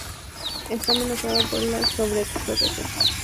Está amenazado por la sobreexplotación.